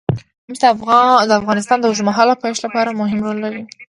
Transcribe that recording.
مس د افغانستان د اوږدمهاله پایښت لپاره مهم رول لري.